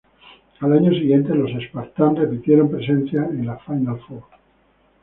Al año siguiente, los Spartans repitieron presencia en la Final Four.